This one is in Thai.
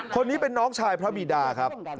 คนนี้เป็นน้องชายพระบีดาครับ